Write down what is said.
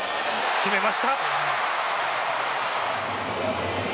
決めました。